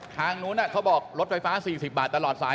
ทางนู้นเขาบอกรถไฟฟ้า๔๐บาทตลอดสาย